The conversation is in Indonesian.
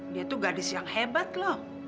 dia tuh gadis yang hebat loh